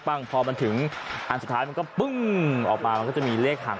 พอมันถึงอันสุดท้ายมันก็ปึ้งออกมามันก็จะมีเลขห่าง